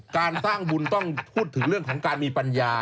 การสร้างบุญต้องพูดถึงเรื่องของการมีปัญญา